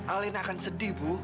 alena akan sedih bu